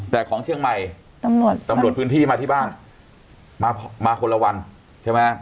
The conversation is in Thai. แต่ของเชียงใหม่ตำรวจพื้นที่มาที่บ้านมามาคนละวันใช่ไหม